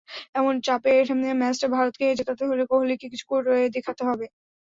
এমন চাপের ম্যাচটা ভারতকে জেতাতে হলে কোহলিকেই কিছু করে দেখাতে হবে।